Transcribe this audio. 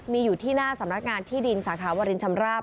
มีอยู่ที่หน้าสำนักงานที่ดินสาขาวรินชำราบ